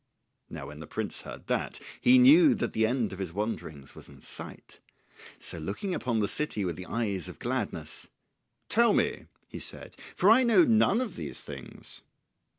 ] Now when the prince heard that, he knew that the end of his wanderings was in sight: so looking upon the city with eyes of gladness, "Tell me," he said, "for I know none of these things."